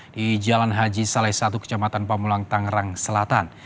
di jalan haji saleh satu kecamatan pamulang tangerang selatan